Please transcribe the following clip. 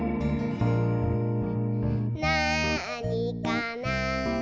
「なあにかな？」